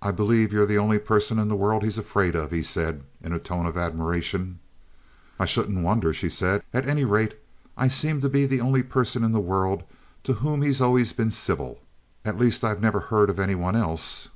"I believe you're the only person in the world he's afraid of," he said in a tone of admiration. "I shouldn't wonder," she said. "At any rate, I seem to be the only person in the world to whom he's always been civil. At least, I've never heard of any one else."